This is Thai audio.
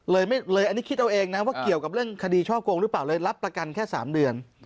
เลยอันนี้คิดเอาเองนะว่าเกี่ยวกับเรื่องคดีช่อโกงหรือเปล่าเลยรับประกันแค่๓เดือน